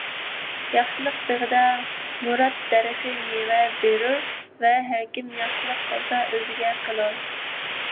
ياخشىلىق بېغىدا مۇراد دەرىخى مېۋە بېرۇر ۋە ھەر كىم ياخشىلىق قىلسا ئۆزىگە قىلۇر.